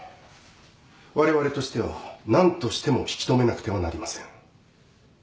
われわれとしては何としても引き止めなくてはなりません。